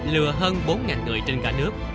lừa hơn bốn người trên cả nước